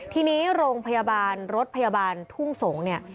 ทีนี้โรงพยาบาลรถพยาบาลทุ่งสงศ์เนี่ย